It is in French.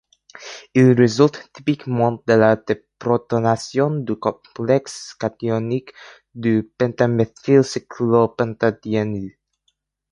Il résulte typiquement de la déprotonation de complexes cationiques du pentaméthylcyclopentadiènyl.